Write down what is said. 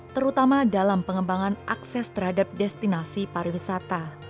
terutama dalam pengembangan akses terhadap destinasi pariwisata